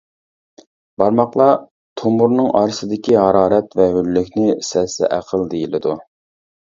بارماقلار تومۇرنىڭ ئارىسىدىكى ھارارەت ۋە ھۆللۈكنى سەزسە ئەقىل دېيىلىدۇ.